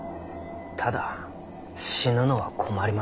ただ死ぬのは困ります。